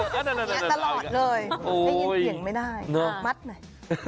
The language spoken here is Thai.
เย็นตลอดเลยนี่เย็นเกียงไม่ได้มัดหน่อย